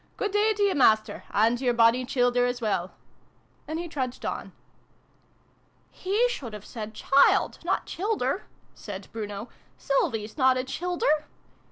Good day t'ye, Master and to your bonnie childer, as well !" And he trudged on. " He should have said ' child', not ' childer ''," said Bruno. " Sylvie's not a childer